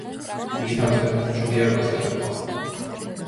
იგი თავის მეხუთე მშობიარობას გადაჰყვა.